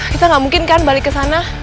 kita gak mungkin kan balik kesana